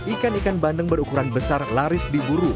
ikan ikan bandeng berukuran besar laris diburu